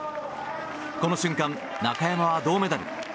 この瞬間、中山は銅メダル。